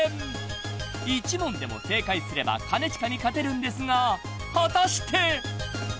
［１問でも正解すれば兼近に勝てるんですが果たして？］